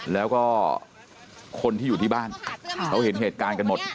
แล้วก็คนที่อยู่ที่บ้านเขาเห็นเหตุการณ์กันหมด